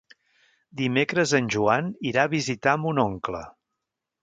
Dimecres en Joan irà a visitar mon oncle.